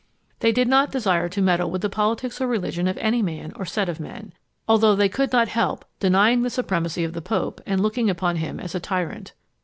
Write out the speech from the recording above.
They did not desire to meddle with the politics or religion of any man or set of men, although they could not help denying the supremacy of the pope, and looking upon him as a tyrant.